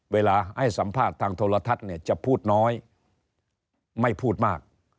เวลาให้สัมภาษณ์ทางโทรทัศน์เนี่ยจะพูดน้อยไม่พูดมาก